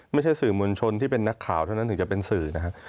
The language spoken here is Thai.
ไม่ใช่สื่อมวลชนที่เป็นนักข่าวเท่านั้นถึงจะเป็นสื่อนะครับ